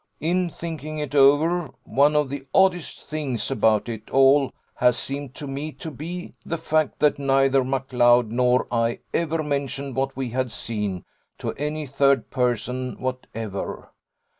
In thinking it over, one of the oddest things about it all has seemed to me to be the fact that neither McLeod nor I ever mentioned what we had seen to any third person whatever.